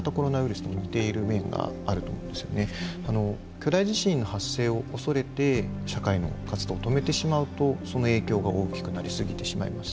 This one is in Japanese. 巨大地震の発生を恐れて社会の活動を止めてしまうとその影響が大きくなり過ぎてしまいます。